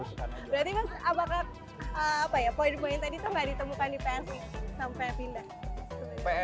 berarti mas apa ya poin poin tadi tuh gak ditemukan di psi sampai pindah